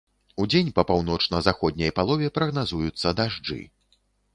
Удзень па паўночна-заходняй палове прагназуюцца дажджы.